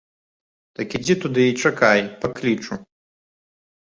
Так ідзі туды і чакай, паклічу.